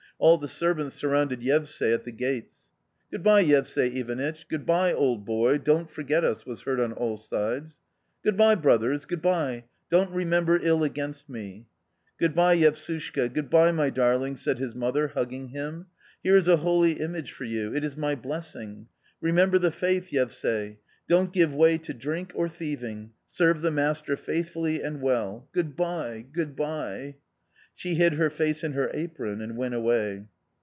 All the servants surrounded Yevsay at the gates. " Good bye, Yevsay Ivanitch ; good bye, old boy, don't forget us !" was heard on all sides. " Good bye, brothers, good bye, don't remember ill against me." " Good bye, Yevsushka, good bye, my darling," said his mother, hugging him. " Here is a holy image for you ; it is my blessing. Remember the faith, Yevsay. Don't give way to drink or thieving ; serve the master faithfully and well. Good bye, good bye !" She hid her face in her apron and went away.